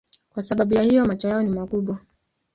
Kwa sababu ya hiyo macho yao ni makubwa.